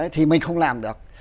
thì mình không làm được